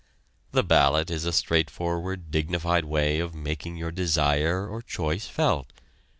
The ballot is a straight forward dignified way of making your desire or choice felt.